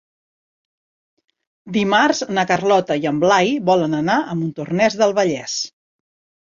Dimarts na Carlota i en Blai volen anar a Montornès del Vallès.